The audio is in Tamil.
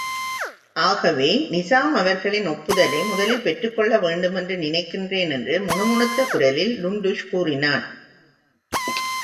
ஆகவே நிசாம் அவர்களின் ஒப்புதலை முதலில் பெற்றுக் கொள்ளவேண்டுமென்று நினைக்கிறேன் என்று முணுமுணுத்த குரலில் டுன்டுஷ் கூறினான்.